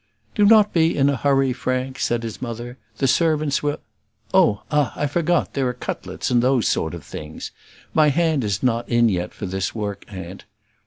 "Do not be in a hurry, Frank," said his mother; "the servants will " "Oh! ah! I forgot; there are cutlets and those sort of things. My hand is not in yet for this work, aunt.